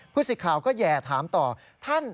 พฤษภาคมก็แย่ถามต่อ